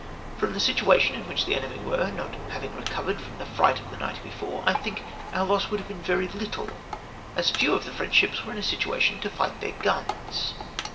'^''" From the situation in which the enemy were, not havinrj recovered, from the fright of the night before, I think our loss would have been very little, as few of the French ships were in a situation to fight their guns